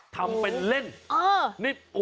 ทำเป็นเล่น